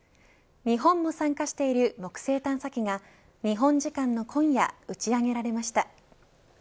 日本も参加している木星探査機が日本時間の今夜打ち上げられました。